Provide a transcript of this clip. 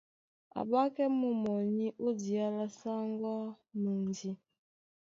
A ́ɓákɛ́ mú mɔní ó diá lá sáŋgó á mundi.